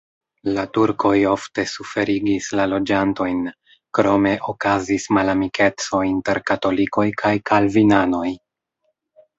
La turkoj ofte suferigis la loĝantojn, krome okazis malamikeco inter katolikoj kaj kalvinanoj.